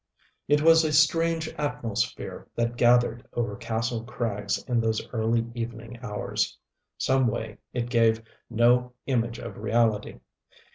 It was a strange atmosphere that gathered over Kastle Krags in those early evening hours. Some way it gave no image of reality.